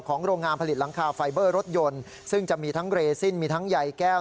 โรงงานผลิตหลังคาไฟเบอร์รถยนต์ซึ่งจะมีทั้งเรซินมีทั้งใยแก้ว